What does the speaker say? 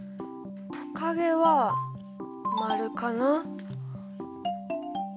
トカゲは○かな。